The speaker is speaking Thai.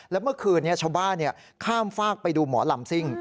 แล้วเมื่อคืนนี้ชาวบ้านข้ามฝากไปดูหมอลำซิ่ง